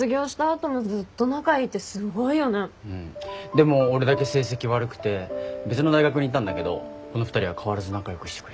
でも俺だけ成績悪くて別の大学に行ったんだけどこの２人は変わらず仲良くしてくれて。